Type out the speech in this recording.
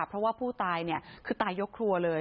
เพราะว่าผู้ตายคือตายยกครัวเลย